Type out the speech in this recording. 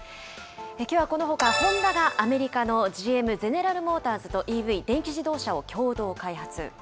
きょうはこのほか、ホンダがアメリカのＧＭ・ゼネラル・モーターズとＥＶ・電気自動車を共同開発。